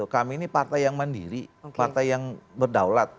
kami ini partai yang mandiri partai yang berdaulat